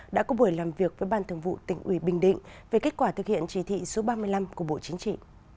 đã có buổi làm việc với ban thường vụ tỉnh ủy bình định về kết quả thực hiện chỉ thị số ba mươi năm của bộ chính trị